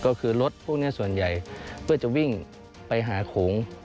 ก็คือรถพวกนี้ส่วนใหญ่เพื่อจะวิ่งไปหาโขง